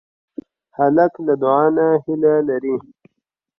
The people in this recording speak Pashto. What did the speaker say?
هلک له دعا نه هیله لري.